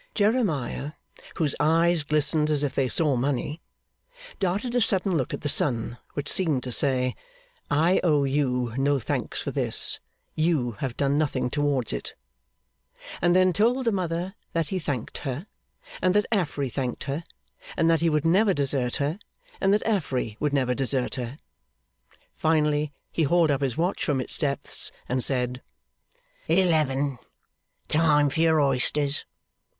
Jeremiah, whose eyes glistened as if they saw money, darted a sudden look at the son, which seemed to say, 'I owe you no thanks for this; you have done nothing towards it!' and then told the mother that he thanked her, and that Affery thanked her, and that he would never desert her, and that Affery would never desert her. Finally, he hauled up his watch from its depths, and said, 'Eleven. Time for your oysters!